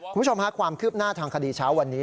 คุณผู้ชมค่ะความคืบหน้าทางคดีเช้าวันนี้